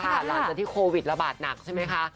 หลังจากที่โควิดระบาดหนักใช่ไหมคะ